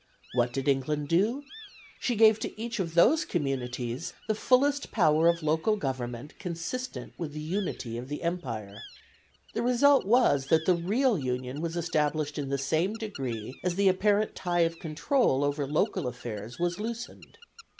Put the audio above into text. What did England do? She gave to each of those communities the fullest power of local government consistent with the unity of the Empire. The result was that the real union was established in the same degree as the apparent tie of control over local affairs was loosened.